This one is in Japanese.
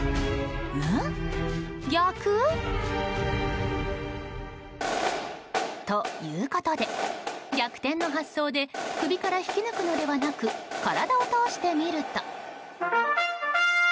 ん、逆？ということで、逆転の発想で首から引き抜くのではなく体を通してみると。